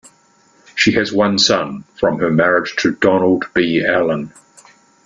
She has one son, from her marriage to Donald B. Allen.